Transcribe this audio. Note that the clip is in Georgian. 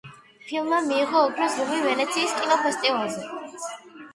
ფილმმა მიიღო ოქროს ლომი ვენეციის კინოფესტივალზე.